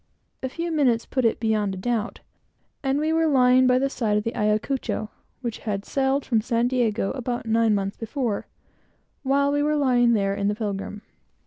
A few minutes put it beyond a doubt, and we were lying by the side of the Ayacucho, which had sailed from San Diego about nine months before, while we were lying there in the Pilgrim.